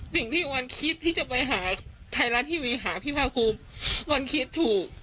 สิ่งที่วันคิดที่จะไปหาไทยรัสทีวีหาพี่พาภูมิวันคิดถูก